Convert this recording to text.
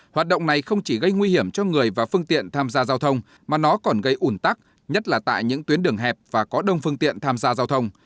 hoạt động này không chỉ gây nguy hiểm cho người và phương tiện tham gia giao thông mà nó còn gây ủn tắc nhất là tại những tuyến đường hẹp và có đông phương tiện tham gia giao thông